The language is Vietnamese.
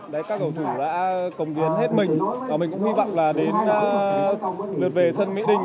các hậu thủ đã cống biến hết mình mình cũng hy vọng là đến lượt về sân mỹ đình